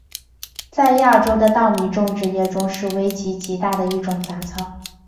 在亚洲的稻米种植业中是危害极大的一种杂草。